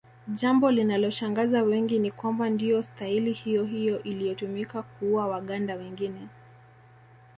Jambo linaloshangaza wengi ni kwamba ndiyo staili hiyohiyo iliyotumika kuua Waganda wengine